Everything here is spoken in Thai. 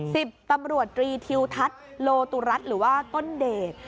สิบตำรวจตรีทิวทัศน์โลตุรัสหรือว่าต้นเดช